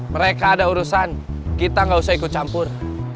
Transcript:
mereka ada urusan kita gak usah ikut campur